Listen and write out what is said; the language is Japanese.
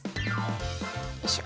よいしょ。